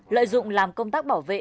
lợi dụng làm công tác bảo vệ